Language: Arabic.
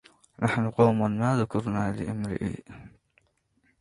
نحن قوم ما ذكرنا لامريء